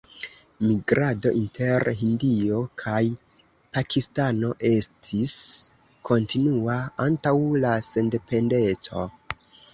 Migrado inter Hindio kaj Pakistano estis kontinua antaŭ la sendependeco.